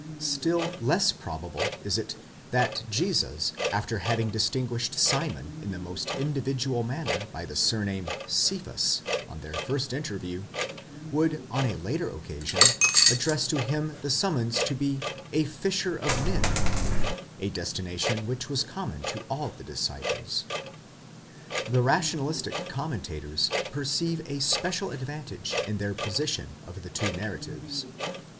Still less probable is it that Jesus, after having distinguished Simon in the most individual manner by the surname Cephas on their first interview, would on a later occasion address to him the summons to be a jisher of men—a destination which was common to all the disciples. , The rationalistic commentators perceive a special advantage in their posi tion of the two narratives.